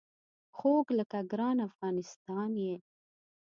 خوږ لکه ګران افغانستان یې